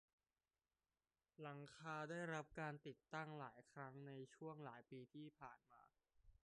หลังคาได้รับการติดตั้งหลายครั้งในช่วงหลายปีที่ผ่านมา